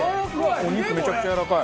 お肉めちゃくちゃやわらかい。